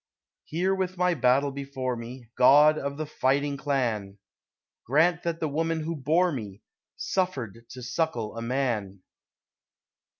Here with my battle before me, God of the fighting Clan, Grant that the woman who bore me Suffered to suckle a Man!